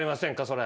それ。